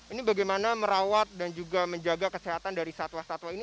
ini bagaimana merawat dan juga menjaga kesehatan dari satwa satwa ini